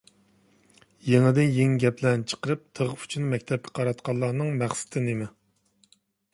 يېڭىدىن يېڭى گەپلەرنى چىقىرىپ، تىغ ئۇچىنى مەكتەپكە قاراتقانلارنىڭ مەقسىتى نېمە؟